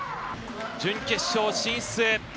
準決勝進出。